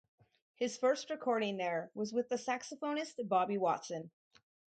His first recording there was with the saxophonist Bobby Watson.